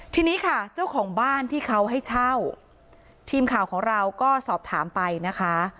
ทีนี้ค่ะเจ้าของบ้านที่เขาให้เช่าทีมข่าวของเราก็สอบถามไปนะคะ